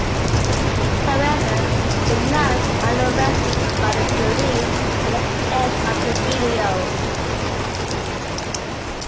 However, the nuns are arrested by the police at the end of the video.